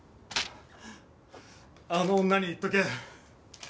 あの女に言っとけ。